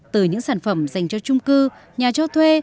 từ những sản phẩm dành cho trung cư nhà cho thuê